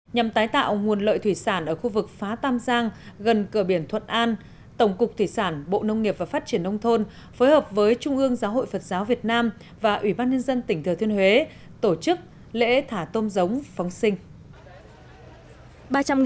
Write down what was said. nhằm tái tạo nguồn lợi thủy sản ở khu vực phá tam giang gần cửa biển thuận an tổng cục thủy sản bộ nông nghiệp và phát triển nông thôn phối hợp với trung ương giáo hội phật giáo việt nam và ủy ban nhân dân tỉnh thừa thiên huế tổ chức lễ thả tôm giống phóng sinh